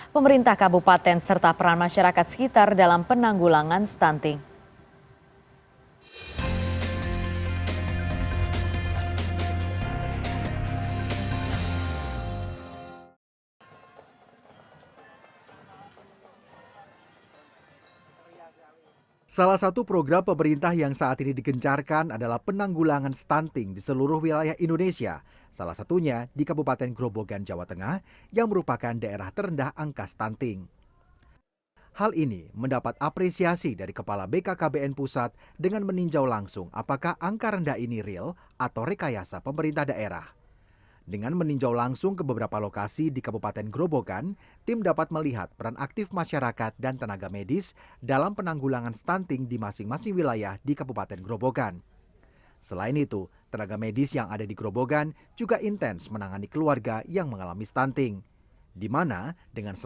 pemerintah kabupaten serta peran masyarakat sekitar dalam penanggulangan stunting